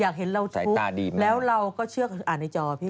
อยากเห็นเราทุกข์แล้วเราก็เชื่อเขาอ่านในจอพี่